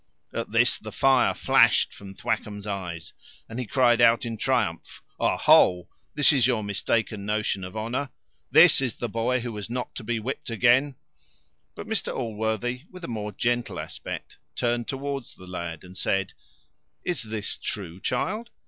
At this the fire flashed from Thwackum's eyes, and he cried out in triumph "Oh! ho! this is your mistaken notion of honour! This is the boy who was not to be whipped again!" But Mr Allworthy, with a more gentle aspect, turned towards the lad, and said, "Is this true, child?